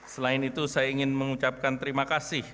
selain itu saya ingin mengucapkan terima kasih